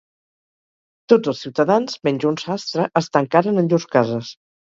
Tots els ciutadans, menys un sastre, es tancaren en llurs cases.